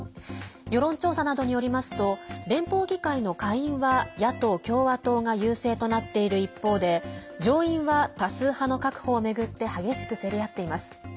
世論調査などによりますと連邦議会の下院は野党・共和党が優勢となっている一方で上院は多数派の確保を巡って激しく競り合っています。